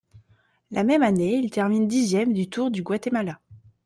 La même année, il termine dixième du Tour du Guatemala.